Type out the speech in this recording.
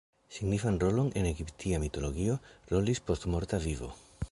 Signifan rolon en egiptia mitologio rolis postmorta vivo.